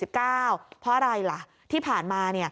เพราะอะไรล่ะที่ผ่านมา